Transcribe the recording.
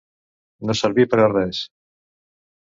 No servir per a res.